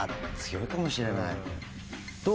どう？